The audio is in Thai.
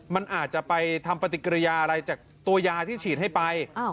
มันอาจจะไปทำปฏิกิริยาอะไรจากตัวยาที่ฉีดให้ไป